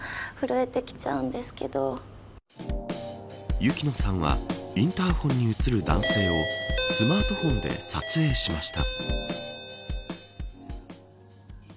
雪乃さんはインターホンに映る男性をスマートフォンで撮影しました。